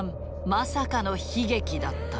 まさかの悲劇だった。